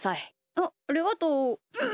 あっありがとう。